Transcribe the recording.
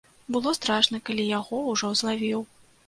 Было страшна, калі яго ўжо злавіў.